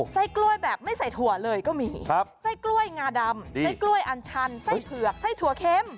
ไส้กล้วยแบบไม่ใส่ถั่วเลยก็มีไส้กล้วยงาดำไส้กล้วยอันชันไส้เผือกไส้ถั่วเค็ม